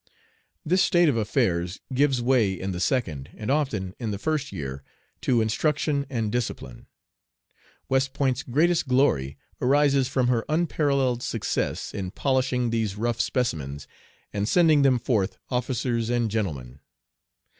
This state of affairs gives way in the second, and often in the first year, to instruction and discipline. West Point's greatest glory arises from her unparalleled success in polishing these rough specimens and sending them forth "officers and gentlemen."